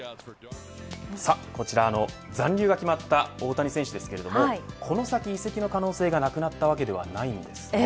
こちら、残留が決まった大谷選手ですがこの先移籍の可能性がなくなったわけではないんです。